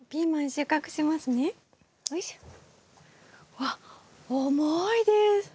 わっ重いです。